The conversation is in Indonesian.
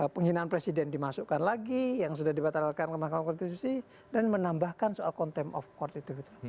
penghinaan presiden dimasukkan lagi yang sudah dibatalkan ke mahkamah konstitusi dan menambahkan soal contempt of court itu